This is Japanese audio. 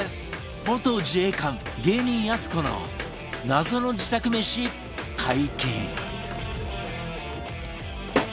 元自衛官芸人やす子の謎の自宅めし解禁